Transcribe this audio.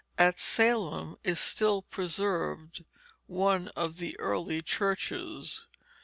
At Salem is still preserved one of the early churches.